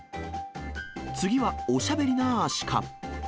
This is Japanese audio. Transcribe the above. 次はおしゃべりなアシカ。